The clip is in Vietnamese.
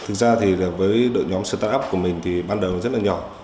thực ra thì với đội nhóm start up của mình thì ban đầu rất là nhỏ